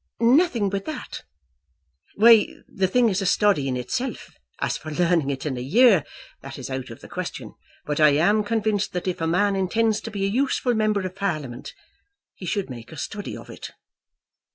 "Nothing but that. Why, the thing is a study in itself. As for learning it in a year, that is out of the question. But I am convinced that if a man intends to be a useful member of Parliament, he should make a study of it."